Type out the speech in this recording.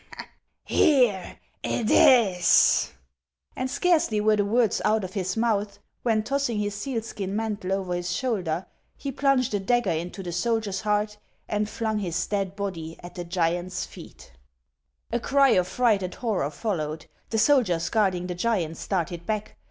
Here it is." And scarcely were the words out of his mouth, when, tossing his sealskin mantle over his shoulder, he plunged a HANS OF ICELAND. 477 dagger into the soldier's heart, and flung his dead body at the giant's feet. A cry of fright and horror followed ; the soldiers guarding the giant started back.